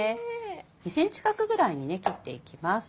２ｃｍ角ぐらいに切っていきます。